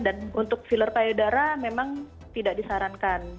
untuk filler payudara memang tidak disarankan